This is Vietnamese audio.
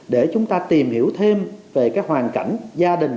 để chúng ta tìm hiểu thêm về cái hoàn cảnh gia đình